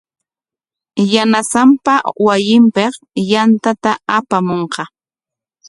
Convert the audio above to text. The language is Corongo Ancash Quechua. Yanasanpa wasinpik yantata apamunqa.